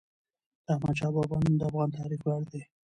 د احمدشاه بابا نوم د افغان تاریخ ویاړ دی.